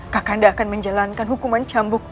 kakanda akan menjalankan hukuman cambuk